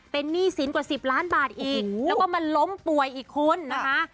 เป็นหนี้สินกว่า๑๐ล้านบาทอีกแล้วก็มาล้มป่วยอีกคนนะคะ